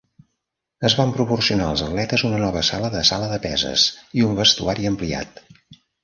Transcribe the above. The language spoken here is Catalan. Es van proporcionar als atletes una nova sala de sala de peses i un vestuari ampliat.